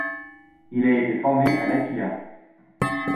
Il a été formé à L'Aquila.